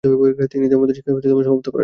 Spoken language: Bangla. তিনি দেওবন্দের শিক্ষা সমাপ্ত করেন।